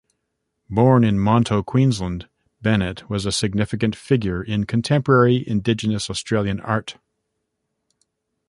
Born in Monto, Queensland, Bennett was a significant figure in contemporary Indigenous Australian art.